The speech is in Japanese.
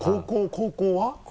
高校は。